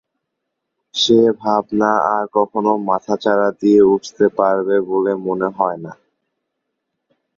সে ভাবনা আর কখনো মাথাচাড়া দিয়ে উঠতে পারবে বলে মনে হয়না।